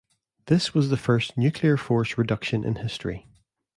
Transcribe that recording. This was the first nuclear force reduction in history.